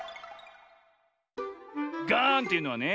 ガーンというのはね